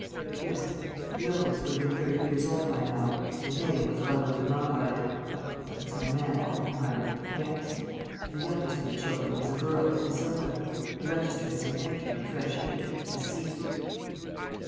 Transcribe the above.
"Yes. The eldest would have been thirty years old by now. His name was Raoul de Malreich." "That's our man, Altenheim. Next?" "The youngest of the children was a girl, Isilda. The register has an entry, in fresh ink, 'Deceased.'"